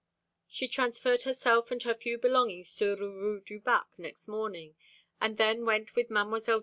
She transferred herself and her few belongings to the Rue du Bac next morning, and then went with Mdlle.